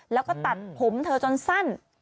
แล้วก็ตัดผมเธอจนสั้น